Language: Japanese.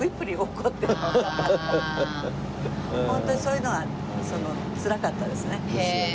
ホントにそういうのはそのつらかったですね。